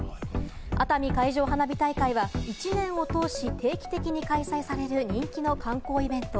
熱海海上花火大会は１年を通し、定期的に開催される人気の観光イベント。